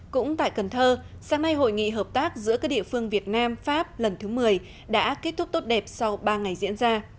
cũng tại cần thơ sáng nay hội nghị hợp tác giữa các địa phương việt nam pháp lần thứ một mươi đã kết thúc tốt đẹp sau ba ngày diễn ra